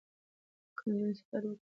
که نجونې سفر وکړي نو دید به نه وي محدود.